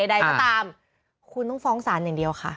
ใดก็ตามคุณต้องฟ้องศาลอย่างเดียวค่ะ